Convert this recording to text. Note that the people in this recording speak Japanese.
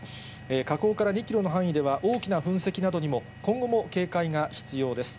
火口から２キロの範囲では大きな噴石などにも今後も警戒が必要です。